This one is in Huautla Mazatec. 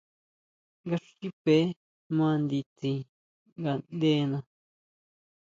Nga xipe ma nditsin ngaʼndena.